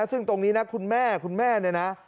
ซึ่งตรงนี้นะคุณแม่คุณแม่เนี่ยนะ